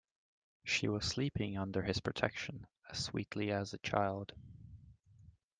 She was sleeping under his protection as sweetly as a child.